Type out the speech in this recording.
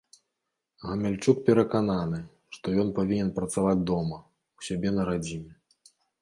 Гамяльчук перакананы, што ён павінен працаваць дома, у сябе на радзіме.